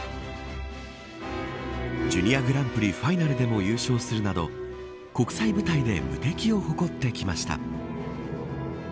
ジュニアグランプリファイナルでも優勝するなど国際舞台で無敵を誇ってきました。